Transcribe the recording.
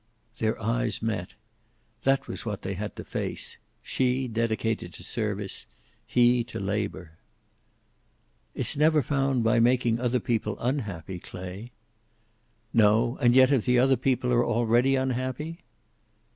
Their eyes met. That was what they had to face, she dedicated to service, he to labor. "It's never found by making other people unhappy, Clay." "No. And yet, if the other people are already unhappy?"